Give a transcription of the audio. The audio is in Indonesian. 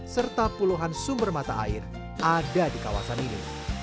serta puluhan sumber mata air ada di kawasan ini